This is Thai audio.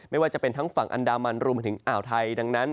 ไม่ว่าจะเป็นทั้งฝั่งอันดามันรวมไปถึงอ่าวไทยดังนั้น